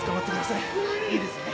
いいですね？